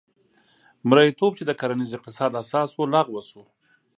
مریتوب چې د کرنیز اقتصاد اساس و لغوه شو.